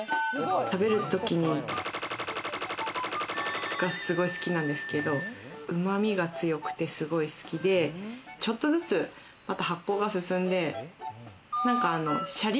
食べるときに○○がすごい好きなんですけど、旨味が強くて、すごい好きで、ちょっとずつ発酵が進んでシャリ